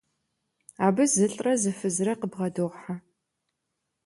Абы зылӏрэ зы фызрэ къыбгъэдохьэ.